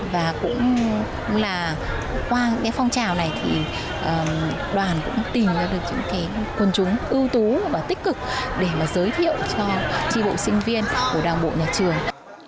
và cũng là qua những cái phong trào này thì đoàn cũng tìm ra được những quân chúng ưu tú và tích cực để mà giới thiệu cho tri bộ sinh viên của đảng bộ nhà trường